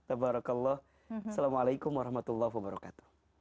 assalamualaikum warahmatullahi wabarakatuh